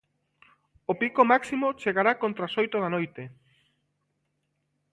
O pico máximo chegará contra as oito da noite.